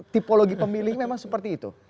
tipologi pemilih memang seperti itu